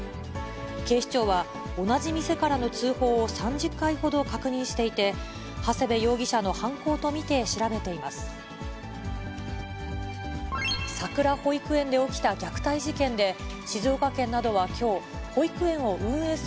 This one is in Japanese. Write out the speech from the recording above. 警視庁は、同じ店からの通報を３０回ほど確認していて、ハセベ容疑者の犯行と見て調べています。